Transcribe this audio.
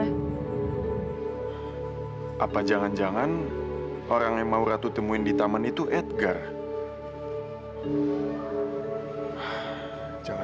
ratu tuh ngajak gua buat nemuin seseorang